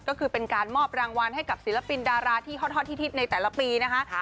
ก็คือเป็นการมอบรางวัลให้กับศิลปินดาราที่ฮอตฮิตในแต่ละปีนะคะ